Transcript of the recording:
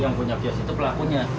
yang punya kios itu pelakunya